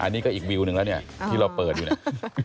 อันนี้ก็อีกวิวหนึ่งแล้วเนี่ยที่เราเปิดอยู่เนี่ย